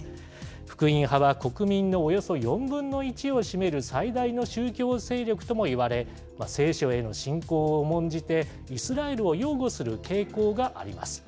福音派は国民のおよそ４分の１を占める最大の宗教勢力ともいわれ、聖書への信仰を重んじて、イスラエルを擁護する傾向があります。